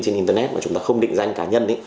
trên internet mà chúng ta không định danh cá nhân